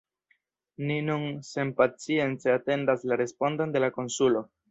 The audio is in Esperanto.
Ni nun senpacience atendas la respondon de la konsulo.